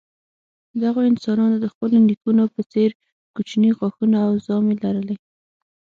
دغو انسانانو د خپلو نیکونو په څېر کوچني غاښونه او ژامې لرلې.